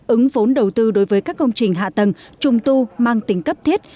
ứng vốn đầu tư đối với các công trình hạ tầng trùng tu mang tính cấp thiết